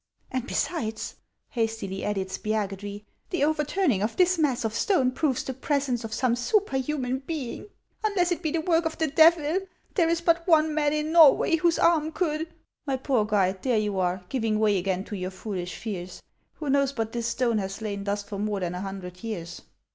" And besides," hastily added Spiagudry, " the over turning of this mass of stone proves the presence of some superhuman being. Unless it be the work of the Devil, there is but one man in Norway whose arm could —" My poor guide, there you are, giving way again to your foolish fears. Who knows but this stone has lain thus for more than a hundred years